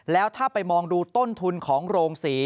แล้วถ้าไปมองดูต้นทุนของโรงศรี